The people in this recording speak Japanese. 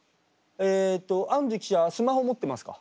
えっとあんじゅ記者はスマホ持ってますか？